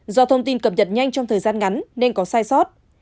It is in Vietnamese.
do thông tin cập nhật nhanh trong thời gian ngắn nên có sai sót